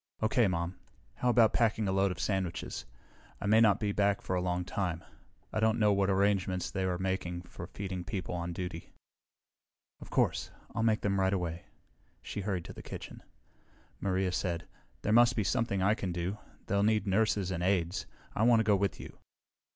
"Okay, Mom. How about packing a load of sandwiches? I may not be back for a long time. I don't know what arrangements they are making for feeding the people on duty." "Of course. I'll make them right away." She hurried to the kitchen. Maria said, "There must be something I can do. They'll need nurses and aides. I want to go with you."